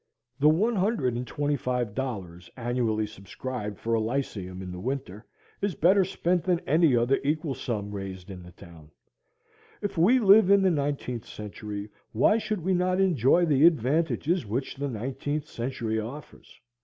The one hundred and twenty five dollars annually subscribed for a Lyceum in the winter is better spent than any other equal sum raised in the town. If we live in the nineteenth century, why should we not enjoy the advantages which the nineteenth century offers?